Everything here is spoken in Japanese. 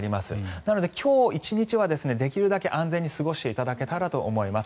なので今日１日はできるだけ安全に過ごしていただけたらと思います。